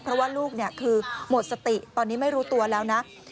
เพราะว่าลูกคือหมดสติตอนนี้ไม่รู้ตัวแล้วนะ